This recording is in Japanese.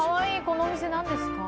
このお店何ですか？